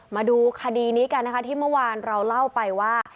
มาดูคดีนี้กันนะคะที่เมื่อวานเราเล่าไปว่า